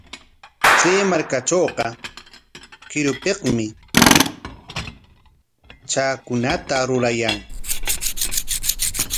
Chay markatrawqa qirupikmi chakakunata rurayan.